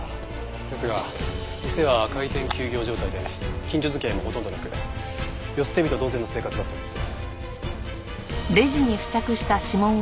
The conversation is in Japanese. ですが店は開店休業状態で近所付き合いもほとんどなく世捨て人同然の生活だったようです。